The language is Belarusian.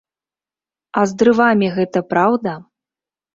А з дрывамі гэта праўда?